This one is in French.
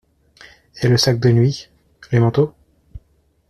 Et le sac de nuit ?… les manteaux ?…